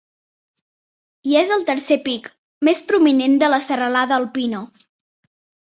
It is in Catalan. I és el tercer pic més prominent de la serralada alpina.